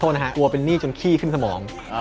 นะฮะกลัวเป็นหนี้จนขี้ขึ้นสมอง